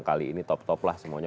kali ini top top lah semuanya